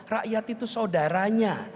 rakyat itu saudaranya